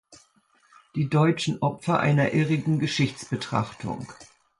Die deutschen Opfer einer irrigen Geschichtsbetrachtung.